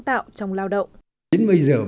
tạo trong lao động